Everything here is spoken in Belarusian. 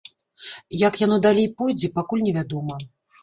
Як яно далей пойдзе, пакуль невядома.